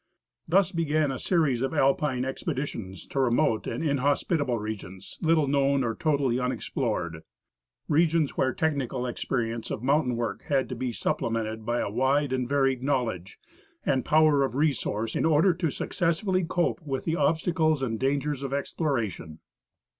Thus began a series of Alpine expeditions to remote and inhospitable regions, little known or totally unexplored — regions where technical experience of mountain work had to be supple mented by a wide and varied knowledge and power of resource in order to successfully cope with the obstacles and dangers of exploration.